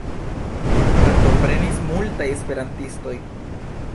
Partoprenis multaj esperantistoj.